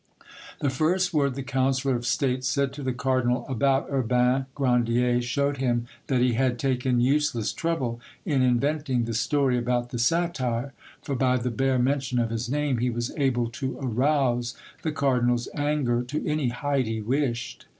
The first word the councillor of state said to the cardinal about Urbain Grandier showed him that he had taken useless trouble in inventing the story about the satire, for by the bare mention of his name he was able to arouse the cardinal's anger to any height he wished.